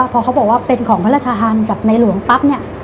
พอเขาบอกว่าเป็นของพระราชทานจากในหลวงปั๊บเนี่ย